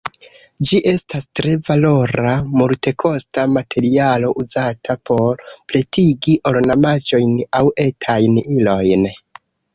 Ĝi estas tre valora, multekosta materialo, uzata por pretigi ornamaĵojn aŭ etajn ilojn.